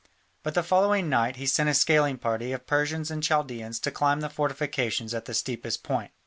But the following night he sent a scaling party of Persians and Chaldaeans to climb the fortifications at the steepest point.